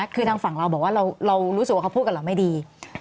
คือทางฝั่งเราบอกว่าเรารู้สึกว่าเขาพูดกับเราไม่ดี